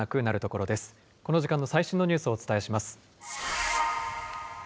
この時間の最新のニュースをお伝えします。